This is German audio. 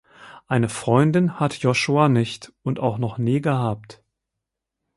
Eine Freundin hat Joshua nicht und auch noch nie gehabt.